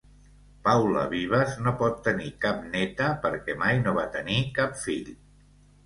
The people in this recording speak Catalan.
Paula Vives no pot tenir cap neta perquè mai no va tenir cap fill.